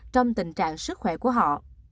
trong tình trạng sức khỏe của họ